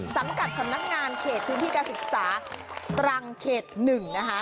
สำกัดสำนักงานเขตธุพิกัสศึกษาตรังเขต๑นะคะ